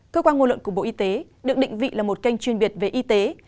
cơ quan ngôn luận của bộ y tế được định vị là một kênh chuyên biệt về y tế